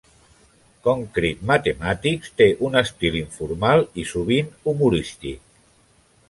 "Concrete Mathematics" té un estil informal i, sovint, humorístic.